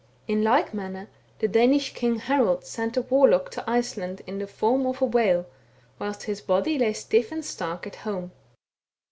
In like manner the Danish king Harold sent a warlock to Iceland in the form of a whale, whilst his body lay stiff and stark at home.